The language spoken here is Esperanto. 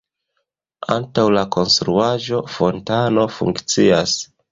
Antaŭ la konstruaĵo fontano funkcias.